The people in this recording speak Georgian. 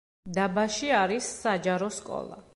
დაბაში არის საჯარო სკოლა.